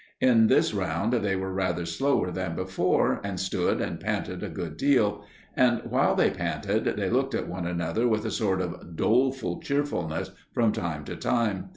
In this round they were rather slower than before, and stood and panted a good deal, and while they panted, they looked at one another with a sort of doleful cheerfulness from time to time.